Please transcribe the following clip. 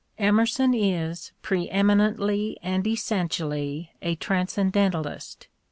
"] Emerson is pre eminently and essentially a transcendentalist.